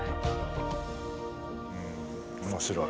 うん面白い。